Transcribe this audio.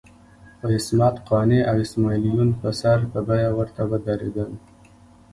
خو عصمت قانع او اسماعیل یون په سر په بیه ورته ودرېدل.